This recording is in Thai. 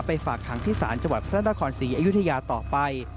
ไปฝากทางที่ศาลจังหวัดพระราชนาคม๔อายุทยาต่อไป